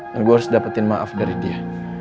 dan gue harus dapetin maaf dari dia